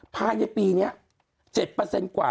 ผ่านปีนี้๗กว่า